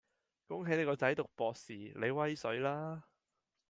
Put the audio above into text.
恭喜你個仔讀博士，你威水啦